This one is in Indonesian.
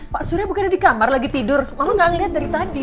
pak surya bukan ada di kamar lagi tidur mama gak ngeliat dari tadi